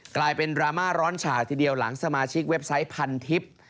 กลายเป็นดราม่าร้อนฉากทีเดียวหลังสมาชิกเว็บไซต์พันทิพย์